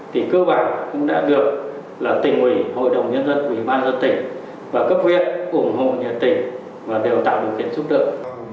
thì cơ bản cũng đã được là tỉnh ủy hội đồng nhân dân ủy ban dân tỉnh và cấp viện ủng hộ nhà tỉnh và đều tạo được kiến trúc được